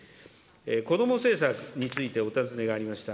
子ども政策についてお尋ねがありました。